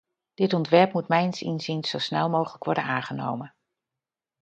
Dit ontwerp moet mijns inziens zo snel mogelijk worden aangenomen.